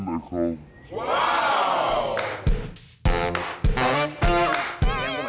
em cũng mới xuống à